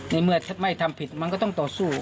ในเมื่อไม่ทำผิดมันก็ต้องต่อสู้